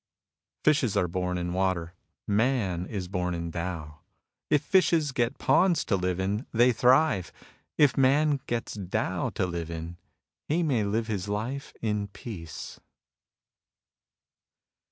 Fishes are bom in water. Man is bom in Tao. If fishes get ponds to live in, they thrive. If man gets Tao to live in, he may live his life in peace.